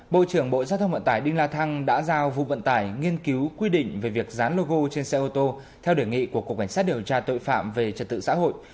bộ trưởng bộ giao thông vận tải đinh la thăng đã giao vụ vận tải nghiên cứu quy định về việc dán logo trên xe ô tô theo đề nghị của cục cảnh sát điều tra tội phạm về trật tự xã hội